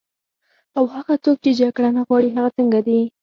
او هغه څوک چې جګړه نه غواړي، هغه څنګه دي؟